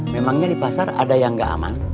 memangnya di pasar ada yang nggak aman